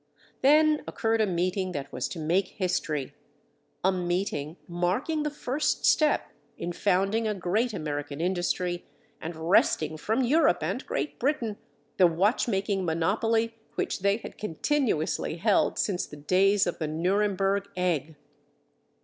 Then occurred a meeting that was to make history—a meeting marking the first step in founding a great American industry and wresting from Europe and Great Britain the watch making monopoly which they had continuously held since the days of the "Nuremburg Egg."